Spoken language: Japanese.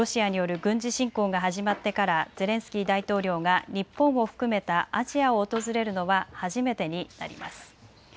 ロシアによる軍事侵攻が始まってからゼレンスキー大統領が日本を含めたアジアを訪れるのは初めてになります。